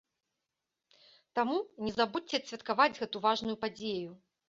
Таму не забудзьце адсвяткаваць гэтую важную падзею!